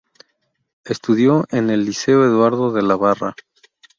Estudió en el Liceo Eduardo de la Barra.